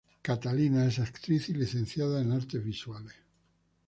Catalina es actriz y licenciada en artes visuales.